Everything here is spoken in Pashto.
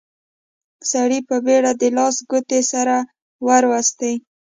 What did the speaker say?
سړي په بيړه د لاس ګوتې سره وروستې.